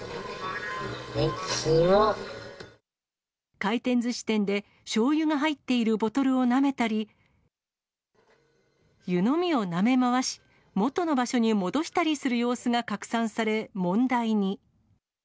回転ずし店で、しょうゆが入っているボトルをなめたり、湯飲みをなめ回し、元の場所に戻したりする様子が拡散され、問題に。